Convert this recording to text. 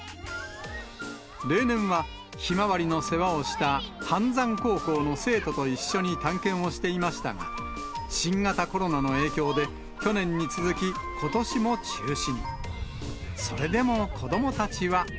例年は、ひまわりの世話をした飯山高校の生徒と一緒に探検をしていましたが、新型コロナの影響で、去年に続きことしも中止に。